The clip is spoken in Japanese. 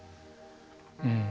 うん。